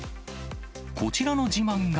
こちらの自慢が。